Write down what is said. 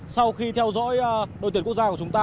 sau khi theo dõi đội tuyển quốc gia của chúng ta